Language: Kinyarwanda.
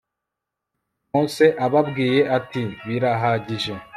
mose ababwiye ati birahagije